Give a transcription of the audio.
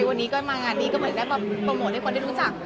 วันนี้ก็มางานนี้เพื่อโปรโมทให้คนได้รู้จัก